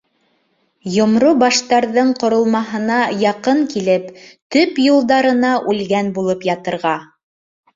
— Йомро баштарҙың ҡоролмаһына яҡын килеп, төп юлдарына үлгән булып ятырға!